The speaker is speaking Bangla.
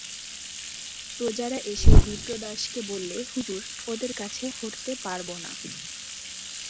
প্রজারা এসে বিপ্রদাসকে বললে, হুজুর, ওদের কাছে হঠতে পারব না।